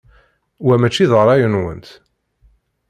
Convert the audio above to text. Wa maci d ṛṛay-nwent.